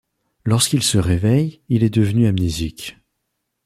Lorsqu'il se réveille, il est devenu amnésique.